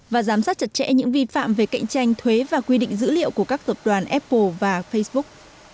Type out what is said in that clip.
và giám sát chặt chẽ những vi phạm về cạnh tranh thuế và quy định dữ liệu của các tập đoàn apple và facebook